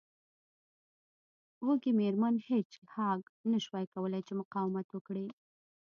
وږې میرمن هیج هاګ نشوای کولی چې مقاومت وکړي